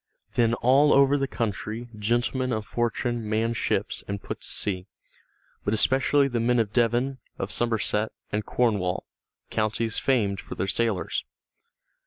Then all over the country gentlemen of fortune manned ships and put to sea, but especially the men of Devon, of Somerset, and Cornwall, counties famed for their sailors.